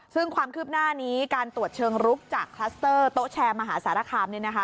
ซึ่งความคืบหน้านี้การตรวจเชิงลุกจากคลัสเตอร์โต๊ะแชร์มหาสารคามเนี่ยนะคะ